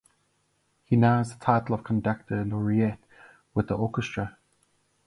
He now has the title of conductor laureate with the orchestra.